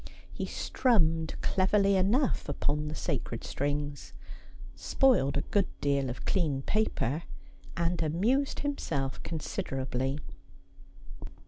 He strummed cleverly enough upon the sacred strings, spoiled a good deal of clean paper, and amused himself consider ably.